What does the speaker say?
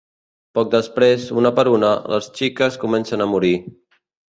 Poc després, una per una, les xiques comença a morir.